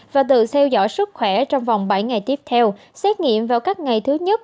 và tự theo dõi sức khỏe trong vòng bảy ngày tiếp theo xét nghiệm vào các ngày thứ nhất